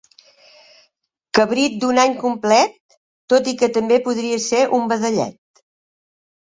Cabrit d'un any complet, tot i que també podria ser un vedellet.